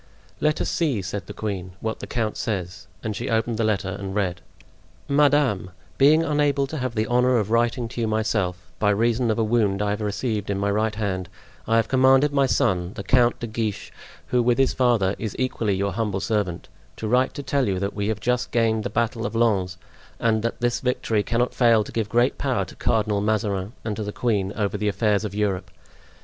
"Let us see," said the queen, "what the count says." And she opened the letter and read: "Madame,—Being unable to have the honor of writing to you myself, by reason of a wound I have received in my right hand, I have commanded my son, the Count de Guiche, who, with his father, is equally your humble servant, to write to tell you that we have just gained the battle of Lens, and that this victory cannot fail to give great power to Cardinal Mazarin and to the queen over the affairs of Europe.